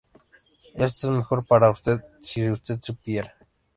Eso es mejor para usted, si usted supiera.